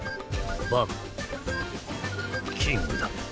バンキングだ。